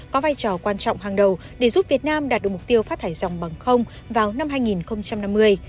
có vai trò quan trọng hàng đầu để giúp việt nam đạt được mục tiêu phát thải dòng bằng không vào năm hai nghìn năm mươi